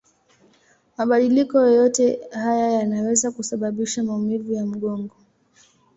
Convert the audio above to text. Mabadiliko yoyote haya yanaweza kusababisha maumivu ya mgongo.